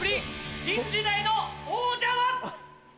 新時代の王者は？